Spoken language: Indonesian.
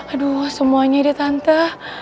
aduh semuanya ya tante